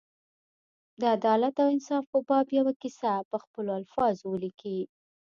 د عدالت او انصاف په باب یوه کیسه په خپلو الفاظو ولیکي.